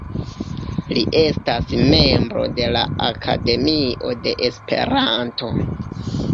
Li estas membro de la Akademio de Esperanto.